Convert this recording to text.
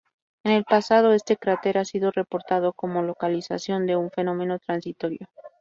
En el pasado este cráter ha sido reportado como localización de un fenómeno transitorio.